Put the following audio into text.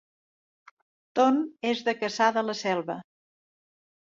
Ton és de Cassà de la Selva